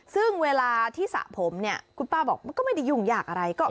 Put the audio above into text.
ซึ่งเวลาที่สระผมเนี่ยคุณป้าบอกมันก็ไม่ได้ยุ่งยากอะไร